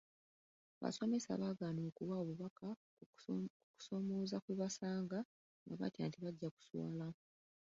Abasomesa baagaana okuwa obubaka ku kusoomooza kwe basanga nga batya nti bajja kuswala.